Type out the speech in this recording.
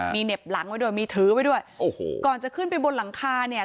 มีเหน็บหลังไว้ด้วยมีถือไว้ด้วยโอ้โหก่อนจะขึ้นไปบนหลังคาเนี่ย